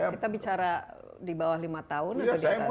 kita bicara di bawah lima tahun atau di atas